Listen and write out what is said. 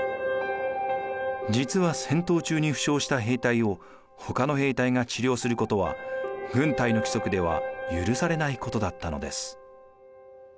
実は戦闘中に負傷した兵隊をほかの兵隊が治療することは軍隊の規則では許されないことだったのです。